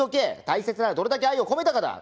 大切なのはどれだけ愛を込めたかだ。